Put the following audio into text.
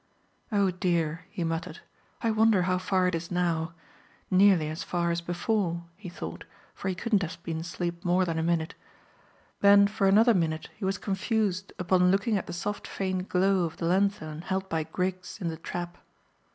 "Oh dear," he muttered, "I wonder how far it is now. Nearly as far as before," he thought, for he couldn't have been asleep more than a minute. Then for another minute he was confused upon looking at the soft faint glow of the lanthorn held by Griggs in the trap.